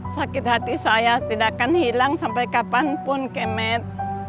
sakit hati saya tidak akan hilang sampai kapanpun kemet